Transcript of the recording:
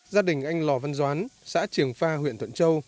gia đình anh lò văn doán xã trường pha huyện tuận châu